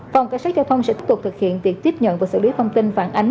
phòng cảnh sát giao thông sẽ tiếp tục thực hiện việc tiếp nhận và xử lý thông tin phản ánh